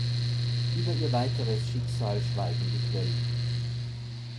Über ihr weiteres Schicksal schweigen die Quellen.